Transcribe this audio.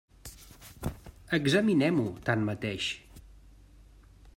Examinem-ho, tanmateix.